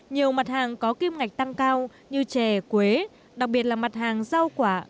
nhiều mặt hàng có kim ngạch tăng cao như chè quế đặc biệt là mặt hàng rau quả